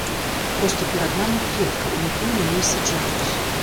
Проста перад намі клетка, у якую мяне і саджаюць.